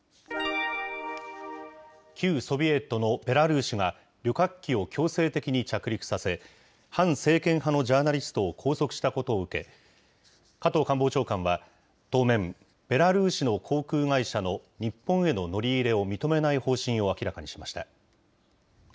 旧ソビエトのベラルーシが、旅客機を強制的に着陸させ、反政権派のジャーナリストを拘束したことを受け、加藤官房長官は、当面、ベラルーシの航空会社の日本への乗り入れを認めない方針を明らかにしました。